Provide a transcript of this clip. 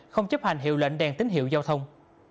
không chấp hành hiệu lệnh đèn tín hiệu giao thông